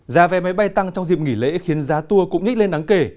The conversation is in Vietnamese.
giá vé máy bay tăng trong dịp nghỉ lễ khiến giá tour cũng nhích lên đáng kể